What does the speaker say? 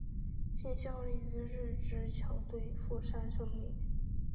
现效力于日职球队富山胜利。